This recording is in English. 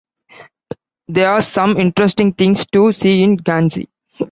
There are some interesting things to see in Ghanzi.